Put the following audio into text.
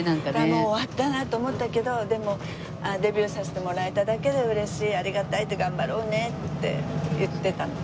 もう終わったなと思ったけどでもデビューさせてもらえただけで嬉しいありがたいって頑張ろうねって言ってたの。